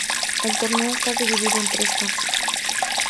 El torneo está dividido en tres fases.